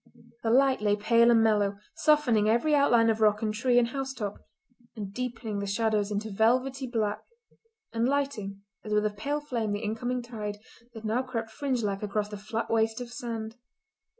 The light lay pale and mellow, softening every outline of rock and tree and house top, and deepening the shadows into velvety black, and lighting, as with a pale flame, the incoming tide, that now crept fringe like across the flat waste of sand.